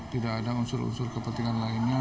tidak ada unsur unsur kepentingan lainnya